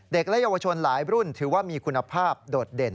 เยาวชนหลายรุ่นถือว่ามีคุณภาพโดดเด่น